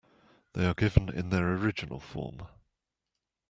They are given in their original form.